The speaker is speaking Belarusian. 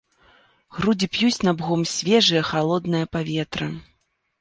Грудзі п'юць набгом свежае, халоднае паветра.